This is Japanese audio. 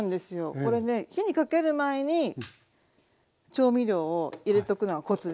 これね火にかける前に調味料を入れとくのがコツで。